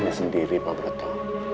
ini sendiri pak broto